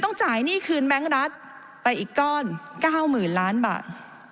จ่ายหนี้คืนแบงค์รัฐไปอีกก้อน๙๐๐๐ล้านบาท